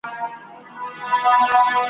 د کراري مو شېبې نه دي لیدلي `